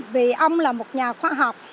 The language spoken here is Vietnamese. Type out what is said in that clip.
vì ông là một nhà khoa học